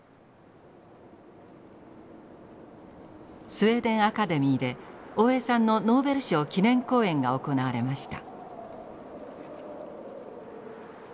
スウェーデン・アカデミーで大江さんのノーベル賞記念講演が行われました。